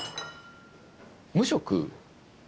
無職？